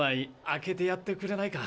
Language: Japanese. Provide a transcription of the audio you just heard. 開けてやってくれないか？